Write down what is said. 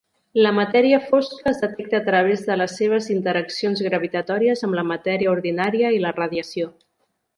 La matèria fosca es detecta a través de les seves interaccions gravitatòries amb la matèria ordinària i la radiació.